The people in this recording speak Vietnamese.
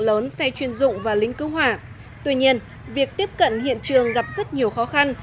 lớn xe chuyên dụng và lính cứu hỏa tuy nhiên việc tiếp cận hiện trường gặp rất nhiều khó khăn